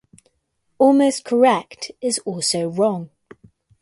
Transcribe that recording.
Almost correct is also wrong.